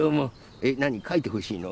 えっなにかいてほしいの？